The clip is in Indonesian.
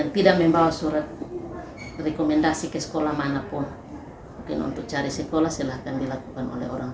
itu anak anak kita sekarang